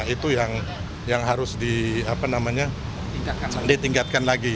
itu yang harus ditingkatkan lagi